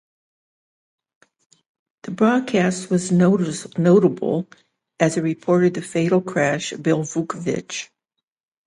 The broadcast was notable as it reported the fatal crash of Bill Vukovich.